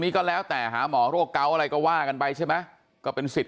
ก็แล้วแต่หาหมอโรคเกาะอะไรก็ว่ากันไปใช่ไหมก็เป็นสิทธิ